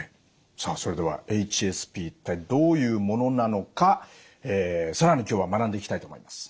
さあそれではＨＳＰ一体どういうものなのか更に今日は学んでいきたいと思います。